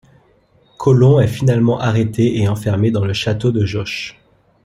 Colon est finalement arrêté et enfermé dans le château de Jauche.